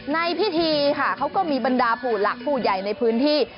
ในพิธีค่ะเขาก็มีบรรดาผู้หลักผู้ใหญ่ในพื้นที่